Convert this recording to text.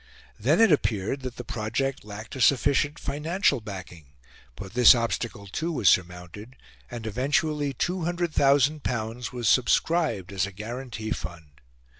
Then it appeared that the project lacked a sufficient financial backing; but this obstacle, too, was surmounted, and eventually L200,000 was subscribed as a guarantee fund.